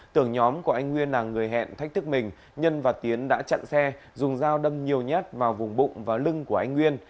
tưởng nhóm của anh nguyên là người hẹn thách thức mình nhân và tiến đã chặn xe dùng dao đâm nhiều nhát vào vùng bụng và lưng của anh nguyên